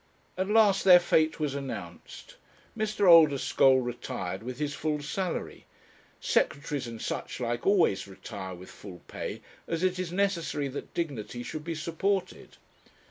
At last their fate was announced. Mr. Oldeschole retired with his full salary. Secretaries and such like always retire with full pay, as it is necessary that dignity should be supported.